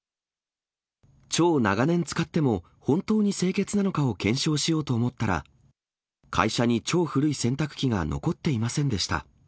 超長年使っても本当に清潔なのかを検証しようと思ったら、会社に超古い洗濯機が残っていませんでした。